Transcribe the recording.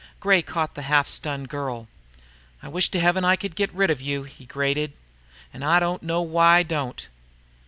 Gray caught the half stunned girl. "I wish to heaven I could get rid of you!" he grated. "And I don't know why I don't!"